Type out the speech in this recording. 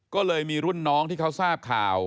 ก็เลยมีรุ่นน้องที่เขาทราบข่าว